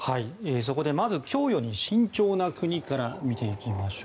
そこで、まず供与に慎重な国を見ていきます。